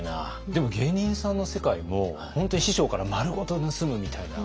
でも芸人さんの世界も本当に師匠からまるごと盗むみたいな。